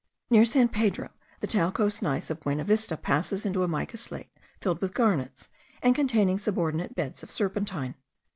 Near San Pedro, the talcose gneiss of Buenavista passes into a mica slate filled with garnets, and containing subordinate beds of serpentine.